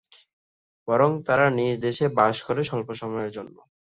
বরং তারা নিজ দেশে বাস করে স্বল্প সময়ের জন্য।